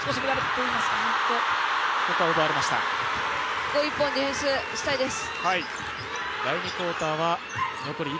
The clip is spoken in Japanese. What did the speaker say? ここ１本、ディフェンスしたいです。